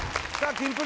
キンプリ